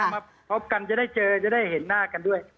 มาพบกันจะได้เจอจะได้เห็นหน้ากันด้วย